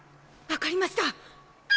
わかりました。